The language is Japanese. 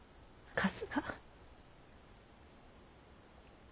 春日。